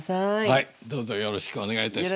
はいどうぞよろしくお願いいたします。